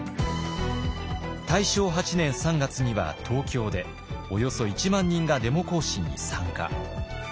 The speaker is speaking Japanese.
大正８年３月には東京でおよそ１万人がデモ行進に参加。